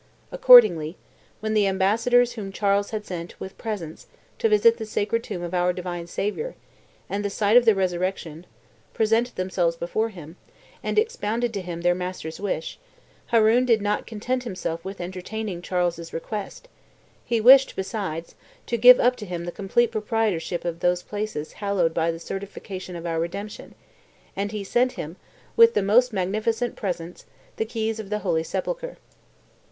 Accordingly, when the ambassadors whom Charles had sent, with presents, to visit the sacred tomb of our divine Saviour, and the site of the resurrection, presented themselves before him, and expounded to him their master's wish, Haroun did not content himself with entertaining Charles's request; he wished, besides, to give up to him the complete proprietorship of those places hallowed by the certification of our redemption," and he sent him, with the most magnificent presents, the keys of the Holy Sepulchre.